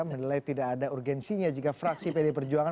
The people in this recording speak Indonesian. menilai tidak ada urgensinya jika fraksi pd perjuangan